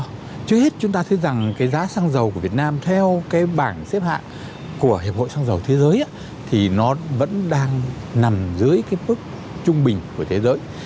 trước hết chúng ta thấy rằng cái giá xăng dầu của việt nam theo cái bảng xếp hạng của hiệp hội xăng dầu thế giới thì nó vẫn đang nằm dưới cái mức trung bình của thế giới